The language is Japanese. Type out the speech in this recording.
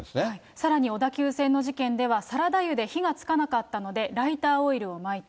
さらに小田急線の事件では、サラダ油で火がつかなかったのでライターオイルをまいた。